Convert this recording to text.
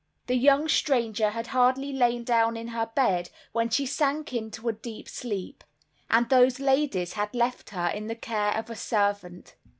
The young stranger had hardly lain down in her bed when she sank into a deep sleep; and those ladies had left her in the care of a servant.